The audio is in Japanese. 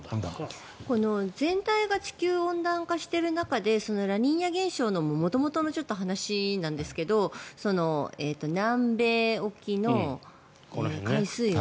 全体が地球温暖化している中でラニーニャ現象の元々の話なんですが南米沖の海水温